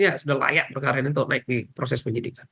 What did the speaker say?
ya sudah layak perkara ini untuk naik di proses penyidikan